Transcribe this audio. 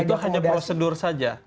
itu hanya prosedur saja